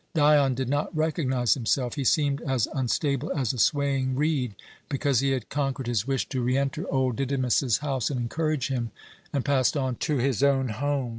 Dion did not recognize himself. He seemed as unstable as a swaying reed, because he had conquered his wish to re enter old Didymus's house and encourage him, and passed on to his own home.